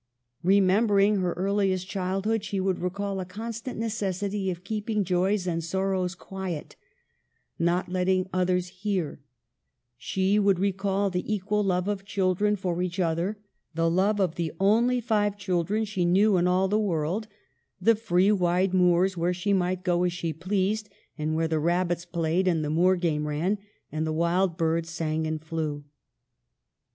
Remembering her earliest childhood, she would recall a constant necessity of keeping joys and sorrows quiet, not letting others hear; she would recall the equal love of children for each other, the love of the only five children she knew in all the world ; the free wide moors where she might go as she pleased, and where the rabbits played and the moor game ran and the wild birds sang and flew.